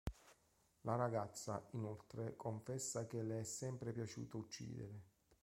La ragazza, inoltre confessa che le è sempre piaciuto uccidere.